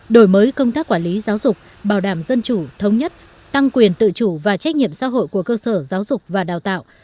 đổi mới công tác quản lý giáo dục bảo đảm dân chủ thống nhất tăng quyền tự chủ và trách nhiệm xã hội của cơ sở giáo dục và đào tạo